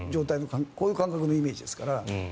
こういう感覚のイメージですから。